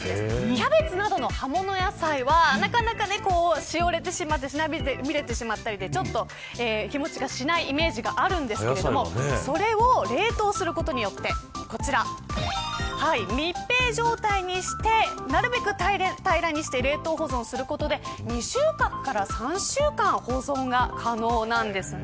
キャベツなどの葉物野菜はなかなかしおれてしまったりしなびれてしまったり日持ちがしないイメージがあるんですがそれを冷凍することによってこちらなるべく平らにして冷凍保存することで２週間から３週間保存が可能なんです。